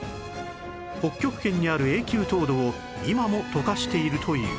北極圏にある永久凍土を今も解かしているという